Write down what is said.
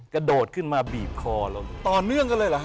กระโดดขึ้นมาบีบคอเราต่อเนื่องกันเลยเหรอฮ